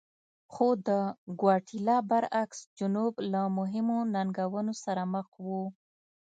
خو د ګواتیلا برعکس جنوب له مهمو ننګونو سره مخ و.